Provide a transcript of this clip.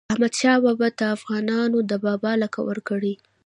احمدشاه بابا ته افغانانو د "بابا" لقب ورکړی.